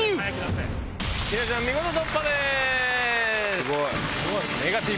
すごい！